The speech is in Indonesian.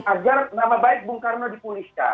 agar nama baik bung karno dipulihkan